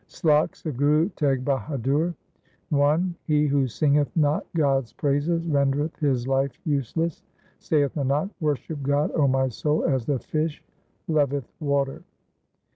SLOKS OF GURU TEG BAHADUR I He who singeth not God's praises rendereth his life useless ; Saith Nanak, worship God, O my soul, as the fish lovetk water.